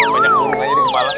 banyak burung aja di kepala